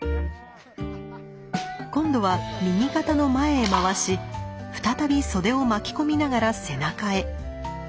今度は右肩の前へ回し再び袖を巻き込みながら背中へ。